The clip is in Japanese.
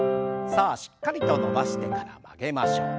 さあしっかりと伸ばしてから曲げましょう。